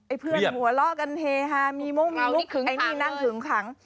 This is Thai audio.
เพื่อนหัวเราะกันเฮฮามีมุ่งมีมุกไอ้นี่นั่งหึงขัง